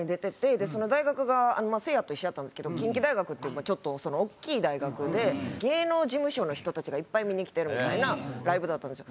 その大学がせいやと一緒やったんですけど近畿大学っていうちょっと大きい大学で芸能事務所の人たちがいっぱい見に来てるみたいなライブだったんですよ。